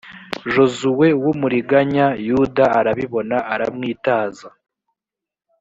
josuwe w’ umuriganya yuda arabibona aramwitaza